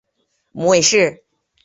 母魏氏。